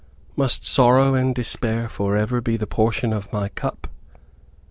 Must sorrow and despair forever be the portion of my cup?"